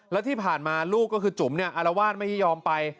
แล้วที่ผ่านมาลูกก็คือจุ๋มเนี่ยอารวาสไม่ให้ยอมไป